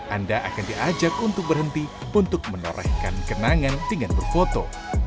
anda akan diajak untuk berhenti untuk menorehkan kenangan dengan berfoto